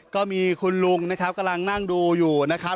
ก็มีคุณลุงนะครับกำลังนั่งดูอยู่นะครับ